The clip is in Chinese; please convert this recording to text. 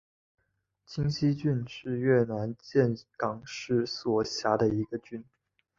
清溪郡是越南岘港市所辖的一个郡。